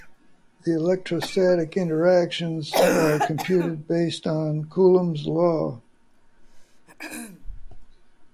The electrostatic interactions are computed based on Coulomb's law.